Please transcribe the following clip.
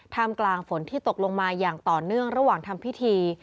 กลางฝนที่ตกลงมาอย่างต่อเนื่องระหว่างทำพิธี